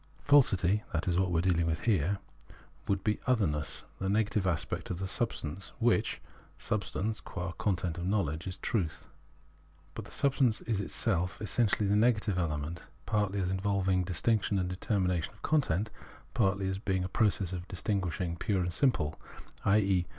Falsity (that is what we are dealing with here) would be otlierness, the negative aspect of the substance, which [substance], qua content of knowledge, is truth. But the substance is itself essentially the negative element, partly as involving distinction and determina tion of content, partly as being a process of distin guishing pure and simple, i.e.